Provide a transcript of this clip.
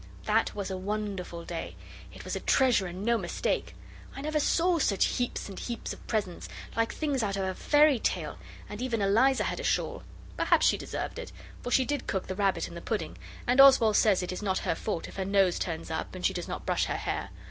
That was a wonderful day. It was a treasure, and no mistake! I never saw such heaps and heaps of presents, like things out of a fairy tale and even Eliza had a shawl. Perhaps she deserved it, for she did cook the rabbit and the pudding; and Oswald says it is not her fault if her nose turns up and she does not brush her hair.